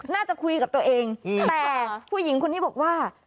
น่าจะคุยกับตัวเองแต่ผู้หญิงคนนี้บอกว่า